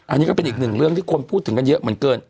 อันนี้ก็เป็นอีกหนึ่งเรื่องที่คนพูดถึงกันเยอะเหลือเกิน